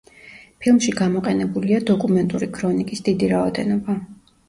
ფილმში გამოყენებულია დოკუმენტური ქრონიკის დიდი რაოდენობა.